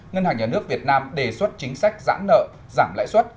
ngân hàng nhà nước việt nam đề xuất chính sách giãn nợ giảm lãi suất